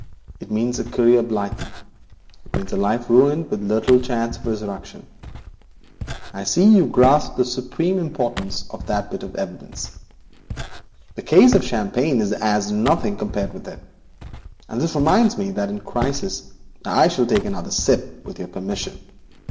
It means a career blighted; it means a life buried, with little chance of resurrection. I see, you grasp the supreme importance of that bit of evidence. The case of champagne is as nothing compared with it, and this reminds me that in the crisis now upon us I shall take another sip, with your permission.